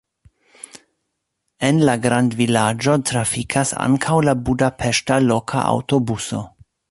En la grandvilaĝo trafikas ankaŭ la budapeŝta loka aŭtobuso.